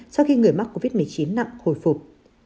sau khi người mắc covid một mươi chín nặng hồi phục